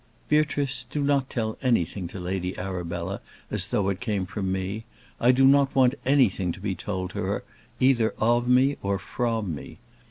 "Beatrice, do not tell anything to Lady Arabella as though it came from me; I do not want anything to be told to her, either of me or from me.